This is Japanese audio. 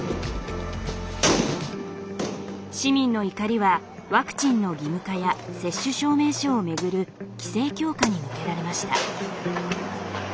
市民の怒りはワクチンの義務化や接種証明書を巡る規制強化に向けられました。